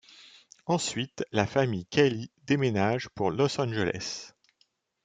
Ensuite la famille Kelley déménage pour Los Angeles.